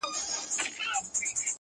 زمانه اوړي له هر کاره سره لوبي کوي!.